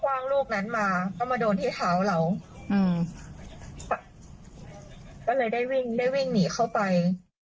ว่างลูกนั้นมาก็มาโดนที่เท้าเราอืมก็เลยได้วิ่งได้วิ่งหนีเข้าไป